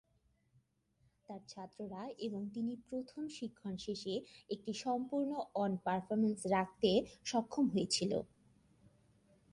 তার ছাত্ররা এবং তিনি প্রথম শিক্ষণ শেষে একটি সম্পূর্ণ অন পারফরম্যান্স রাখতে সক্ষম হয়েছিল।